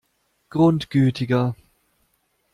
Grundgütiger!